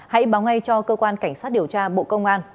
hãy báo ngay cho cơ quan cảnh sát điều tra bộ công an